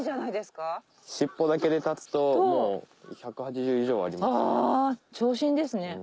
尻尾だけで立つと１８０以上ありますね。